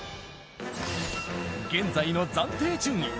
現在の暫定順位。